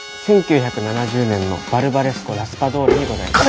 １９７０年のバルバレスコ・ラスパドーリでございます。